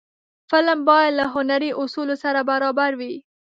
فلم باید له هنري اصولو سره برابر وي